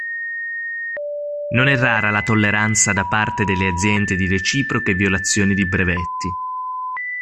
Non è rara la tolleranza da parte delle aziende di reciproche violazioni di brevetti.